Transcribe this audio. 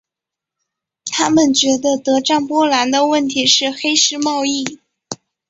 他们觉得德占波兰的问题是黑市贸易。